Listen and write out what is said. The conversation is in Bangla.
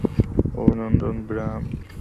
অভিনন্দন, ব্রায়ান!